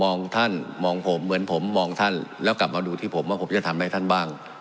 ท่านมองผมเหมือนผมมองท่านแล้วกลับมาดูที่ผมว่าผมจะทำอะไรท่านบ้าง